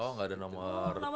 oh gak ada nomor tim